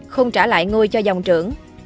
không trả lại ngôi cho dòng trưởng